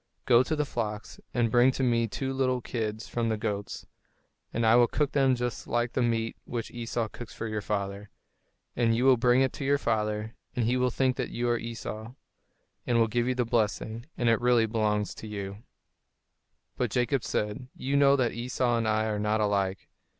Go to the flocks and bring to me two little kids from the goats, and I will cook them just like the meat which Esau cooks for your father. And you will bring it to your father, and he will think that you are Esau, and will give you the blessing; and it really belongs to you." [Illustration: "Now, my son, do what I tell you"] But Jacob said, "You know that Esau and I are not alike.